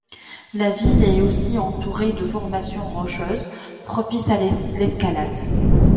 La ville est aussi entourée de formations rocheuses propices à l'escalade.